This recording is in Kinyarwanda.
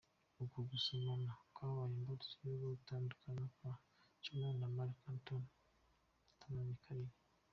Uku gusomana kwabaye imbarutso yo gutandukana kwa Shannon na Marc Antony batamaranye kabiri.